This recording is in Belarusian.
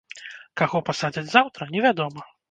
Каго пасадзяць заўтра, невядома.